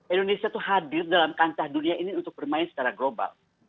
indonesia itu hadir dalam kancah dunia ini untuk bermain secara global